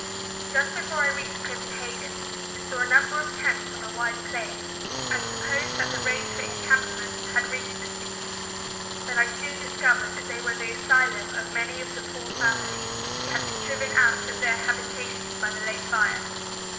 Just before I reached Copenhagen I saw a number of tents on a wide plain, and supposed that the rage for encampments had reached this city; but I soon discovered that they were the asylum of many of the poor families who had been driven out of their habitations by the late fire.